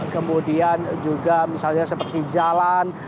kemudian juga misalnya seperti jalan